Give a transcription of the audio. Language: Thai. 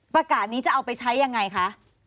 ประกาศนี้จะเอาไปใช้ยังไงคะ